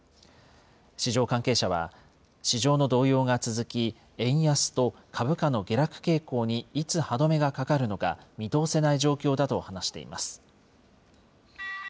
市場関係者は、市場の動揺が続き、円安と株価の下落傾向にいつ歯止めがかかるのか、見通せない状況だと話しています。